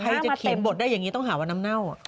ใครจะเขียนบทได้อย่างนี้ต้องหาว่าน้ำเน่า